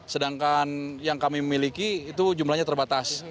sedangkan yang kami miliki itu jumlahnya terbatas